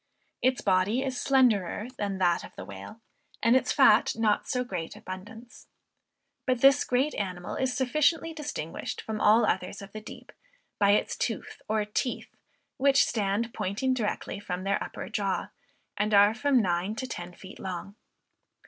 Its body is slenderer than that of the whale, and its fat not in so great abundance. But this great animal is sufficiently distinguished from all others of the deep, by its tooth or teeth, which stand pointing directly forward from the upper jaw, and are from nine to ten feet long.